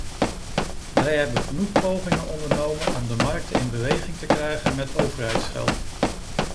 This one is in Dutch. Wij hebben genoeg pogingen ondernomen om de markten in beweging te krijgen met overheidsgeld.